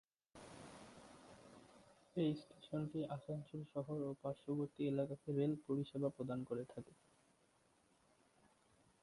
এই স্টেশনটি আসানসোল শহর ও পার্শ্ববর্তী এলাকাকে রেল-পরিষেবা প্রদান করে থাকে।